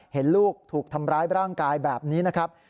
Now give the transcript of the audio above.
เห็นลูกถูกทำร้ายร่างกายแบบนี้นะครับ